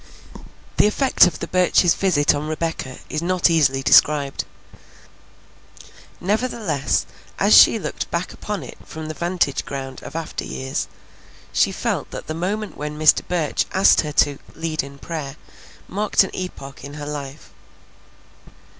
The effect of the Burches' visit on Rebecca is not easily described. Nevertheless, as she looked back upon it from the vantage ground of after years, she felt that the moment when Mr. Burch asked her to "lead in prayer" marked an epoch in her life.